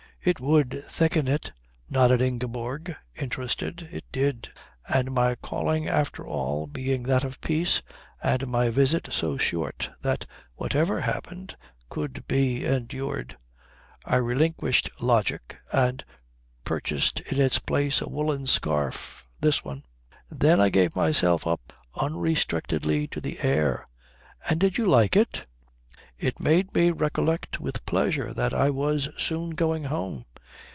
"It would thicken it," nodded Ingeborg, interested. "It did. And my calling after all being that of peace, and my visit so short, that whatever happened could be endured, I relinquished logic and purchased in its place a woollen scarf. This one. Then I gave myself up unrestrictedly to their air." "And did you like it?" "It made me recollect with pleasure that I was soon going home.